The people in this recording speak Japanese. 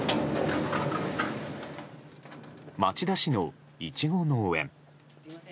町田市のイチゴ農園。